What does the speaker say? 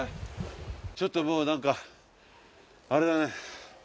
ちょっともうなんかあれだね